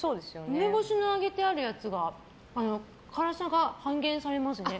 梅干しの揚げてあるやつが辛さが半減されますね。